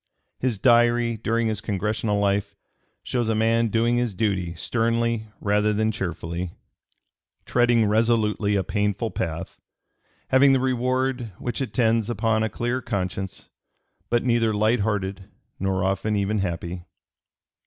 His Diary during his Congressional life shows a man doing his duty sternly rather than cheerfully, treading resolutely a painful path, having the reward which attends upon a clear conscience, but neither light hearted nor often even happy.